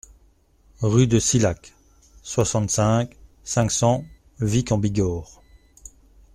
Rue de Silhac, soixante-cinq, cinq cents Vic-en-Bigorre